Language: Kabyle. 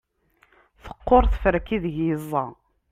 teqqur tferka ideg yeẓẓa